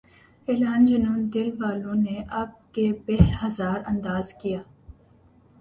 اعلان جنوں دل والوں نے اب کے بہ ہزار انداز کیا